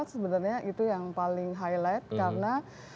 sebenarnya itu yang paling highlight karena